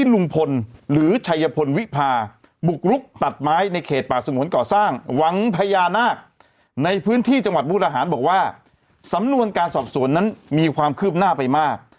ลุงพลหรือชัยพลวิพาบุกรุกตัดไม้ในเขตป่าสงวนก่อสร้างวังพญานาคในพื้นที่จังหวัดบูรหารบอกว่าสำนวนการสอบสวนนั้นมีความคืบหน้าไปมาก